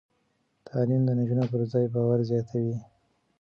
تعلیم د نجونو پر ځان باور زیاتوي.